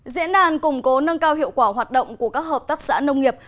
diễn đàn củng cố nâng cao hiệu quả hoạt động của các hợp tác xã nông nghiệp